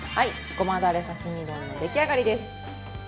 ごまだれ刺身丼の出来上がりです。